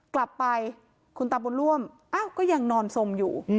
กลับไปคุณตาบุญร่วมอ้าวก็ยังนอนสมอยู่